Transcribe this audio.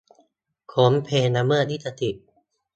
ค้นเพลงละเมิดลิขสิทธิ์